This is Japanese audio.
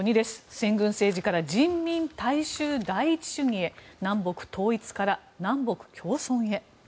先軍政治から人民大衆第一主義へ南北統一から南北共存へ。